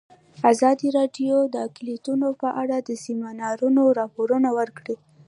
ازادي راډیو د اقلیتونه په اړه د سیمینارونو راپورونه ورکړي.